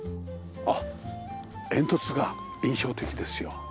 あっ煙突が印象的ですよ。